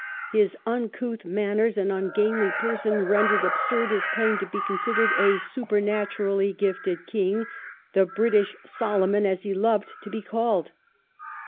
His uncouth man ners and ungainly person rendered absurd his claim to be considered a supernaturally gifted king — the " British Solomon" as he loved to be called.